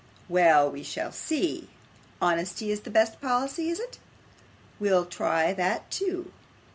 Well, we shall see. "Honesty is the best policy," is it? We'll try that too.